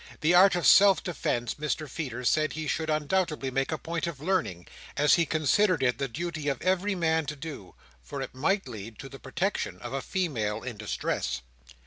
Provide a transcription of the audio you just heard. The art of self defence Mr Feeder said he should undoubtedly make a point of learning, as he considered it the duty of every man to do; for it might lead to the protection of a female in distress.